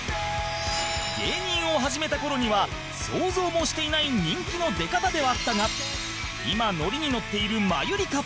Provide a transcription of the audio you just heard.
芸人を始めた頃には想像もしていない人気の出方ではあったが今ノリにノッているマユリカ